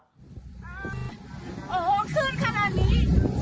โอ้โหขึ้นขนาดนี้